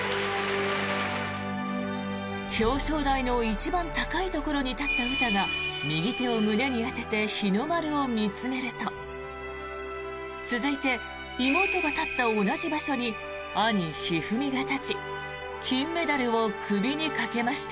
表彰台の一番高いところに立った詩が右手を胸に当てて日の丸を見つめると続いて妹が立った同じ場所に兄・一二三が立ち金メダルを首にかけました。